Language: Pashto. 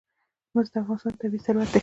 مس د افغانستان طبعي ثروت دی.